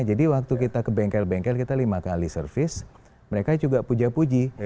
jadi waktu kita ke bengkel bengkel kita lima kali service mereka juga puja puji